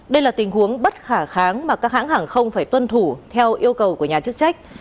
đây là tình huống bất khả kháng mà các hãng hàng không phải tuân thủ theo yêu cầu của nhà chức trách